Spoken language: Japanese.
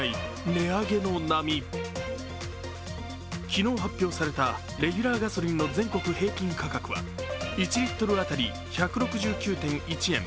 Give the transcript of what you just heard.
昨日、発表されたレギュラーガソリンの全国平均価格は１リットル当たり１６９．１円。